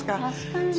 あ確かに。